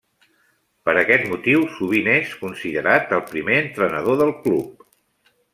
Per aquest motiu sovint és considerat el primer entrenador del club.